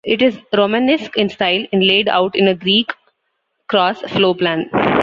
It is Romanesque in style and laid out in a Greek-cross floorplan.